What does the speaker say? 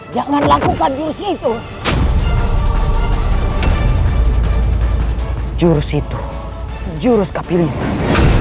jangan lakukan hal hal yang tidak diinginkan